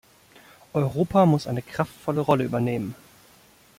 Europa muss eine kraftvolle Rolle übernehmen.